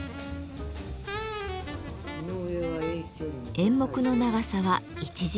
演目の長さは１時間。